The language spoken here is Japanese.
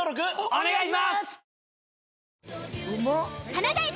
お願いします！